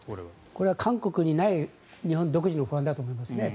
これは韓国にない日本独自の不安だと思いますね。